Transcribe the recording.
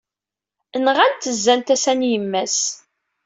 Nɣan-t zzan tasa n yemma-s.